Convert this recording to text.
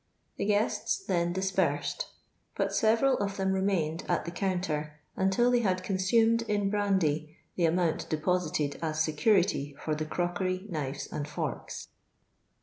The guests then dispersed ; but several of them remained at the counter until they had consumed in brandy the amount dep)sitrd as security for the crockery, kr.ives, and forks."